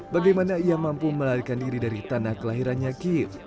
bagaimana ia mampu melarikan diri dari tanah kelahirannya kiev